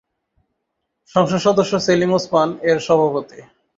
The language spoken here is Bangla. সংসদ সদস্য সেলিম ওসমান এর সভাপতি।